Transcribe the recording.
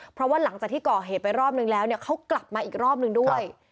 เพราะว่าหลังจากที่ก่อเหตุไปรอบนึงแล้วเนี่ยเขากลับมาอีกรอบนึงด้วย